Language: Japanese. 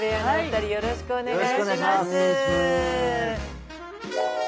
よろしくお願いします。